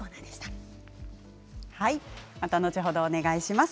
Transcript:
また後ほどお願いします。